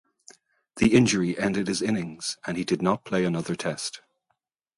The injury ended his innings and he did not play another Test.